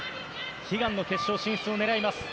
悲願の決勝進出を狙います。